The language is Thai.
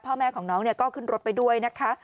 พ่อแม่ของน้องก็ขึ้นรถไปด้วยนะคะ